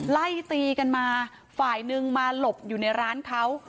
ไล่ตีกันมาฝ่ายนึงมาหลบอยู่ในร้านเขา